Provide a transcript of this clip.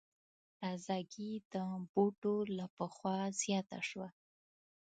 تازګي د بوټو له پخوا زیاته شوه.